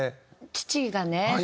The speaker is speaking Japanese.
父がね